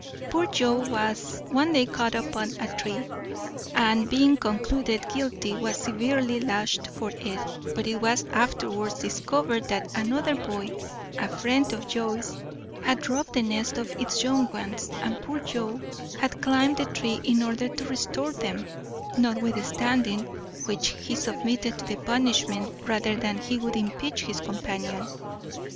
Poor Joe was one day caught upon a tree, and, being concluded guilty, was severely lashed for it; but it was afterwards discovered that another boy, a friend of Joe's, had robbed the nest of its young ones, and poor Joe had climbed the tree in order to restore them, notwithstanding which, he submitted to the punishment rather than he would impeach his companion.